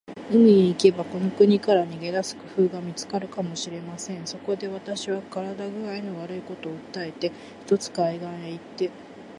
海へ行けば、この国から逃げ出す工夫が見つかるかもしれません。そこで、私は身体工合の悪いことを訴えて、ひとつ海岸へ行って